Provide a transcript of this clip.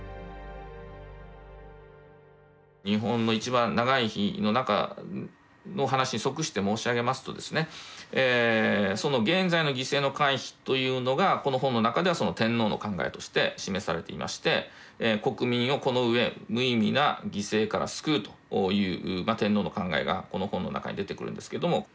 「日本のいちばん長い日」の中の話に即して申し上げますとですねというのがこの本の中では天皇の考えとして示されていまして国民をこの上無意味な犠牲から救うという天皇の考えがこの本の中に出てくるんですけども。